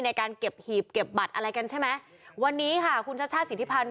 ในการเก็บหีบเก็บบัตรอะไรกันใช่ไหมวันนี้ค่ะคุณชัชชาติสิทธิพันธ์